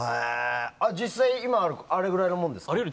実際、今あるあれくらいのものですか？